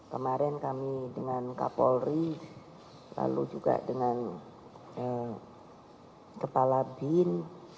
kemarin kami dengan kapolri lalu juga dengan kepala bin